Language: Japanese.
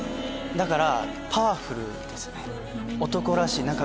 だから。